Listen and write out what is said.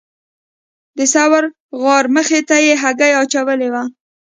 د ثور غار مخې ته یې هګۍ اچولې وه.